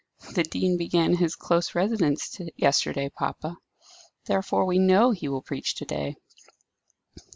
"The dean began his close residence yesterday, papa. Therefore we know he will preach to day."